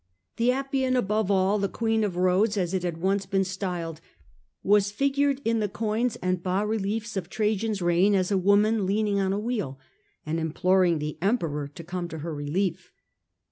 The Appian above all, the queen of roads as it had once been styled, was figured in the coins and bas reliefs of Trajan's reign as a woman leaning on a wheel, and imploring the Emperor to come to her relief.